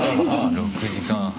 ６時間半。